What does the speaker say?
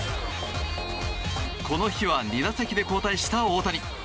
この日は２打席で交代した大谷。